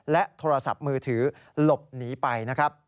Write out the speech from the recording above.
และโทรศัพท์มือถือหลบหนีไปนะครับ